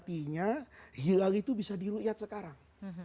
artinya hilal itu bisa di ru'yat sekarang